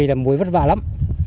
nghề làm muối vất vả lắm